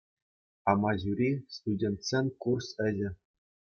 «Амаҫури» — студентсен курс ӗҫӗ.